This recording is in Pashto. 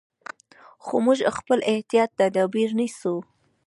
خو موږ خپل احتیاطي تدابیر نیسو.